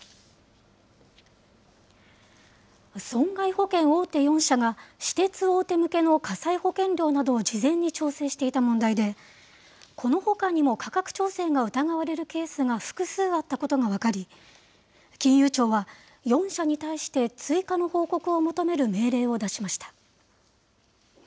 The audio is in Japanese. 損害保険大手４社が、私鉄大手向けの火災保険料などを事前に調整していた問題で、このほかにも価格調整が疑われるケースが複数あったことが分かり、金融庁は、４社に対して追加の報告を求める命令を出しました。